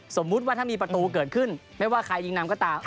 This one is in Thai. สมมุติว่าถ้ามีประตูเกิดขึ้นไม่ว่าใครยิงนำก็ตาม